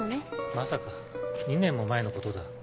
まさか２年も前のことだ。